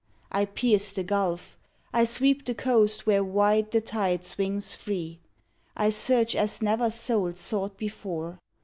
I pierce the gulf; I sweep the coast Where wide the tide swings free; I search as never soul sought before.